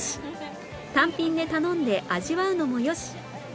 単品で頼んで味わうのもよし